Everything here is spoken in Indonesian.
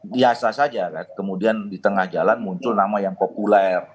biasa saja kan kemudian di tengah jalan muncul nama yang populer